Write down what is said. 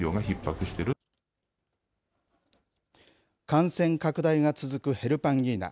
感染拡大が続くヘルパンギーナ。